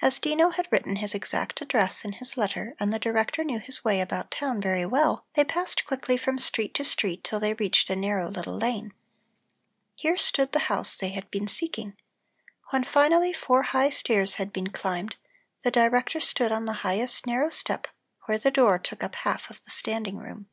As Dino had written his exact address in his letter and the Director knew his way about town very well, they passed quickly from street to street till they reached a narrow little lane. Here stood the house they had been seeking. When finally four high stairs had been climbed, the Director stood on the highest narrow step where the door took up half of the standing room.